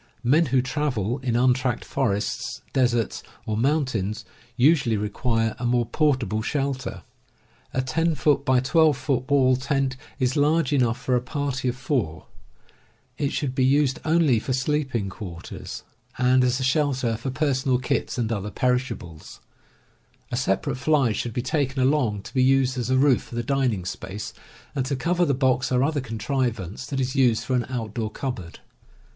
Men who travel in untracked forests, deserts, or moun tains, usually require a more portable shelter. A 10x1 2 foot wall tent is large enough for a party of four. It should be used only for sleeping quarters, 37 38 CAMPING AND WOODCRAFT and as a shelter for personal kits and other perishables. A separate fly should be taken along, to be used as a roof for the dining space, and to cover the box or other contrivance that is used for an outdoor cupboard.